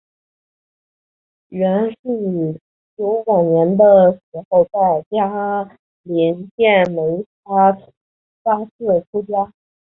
阮氏游晚年的时候在嘉林县梅发寺出家。